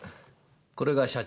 これが社長。